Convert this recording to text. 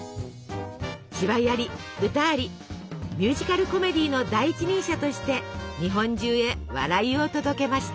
芝居あり歌ありミュージカルコメディーの第一人者として日本中へ笑いを届けました。